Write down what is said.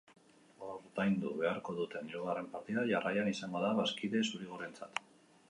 Ordaindu beharko duten hirugarren partida jarraian izango da bazkide zuri-gorrientzat.